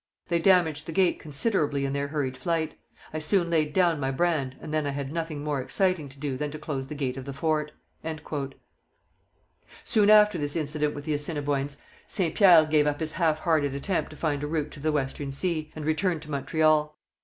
They damaged the gate considerably in their hurried flight. I soon laid down my brand, and then I had nothing more exciting to do than to close the gate of the fort. Soon after this incident with the Assiniboines, Saint Pierre gave up his half hearted attempt to find a route to the Western Sea, and returned to Montreal.